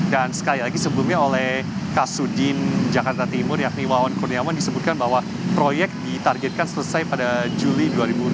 dan sekali lagi sebelumnya oleh kasudin jakarta timur yakni wawan kurniawan disebutkan bahwa proyek ditargetkan selesai pada juli dua ribu dua puluh empat